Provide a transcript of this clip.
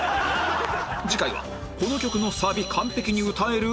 次回はこの曲のサビ完璧に歌える？